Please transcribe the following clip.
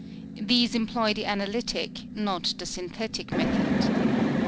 These employ the analytic, not the synthetic method.